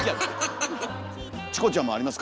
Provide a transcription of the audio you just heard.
チコちゃんもありますか？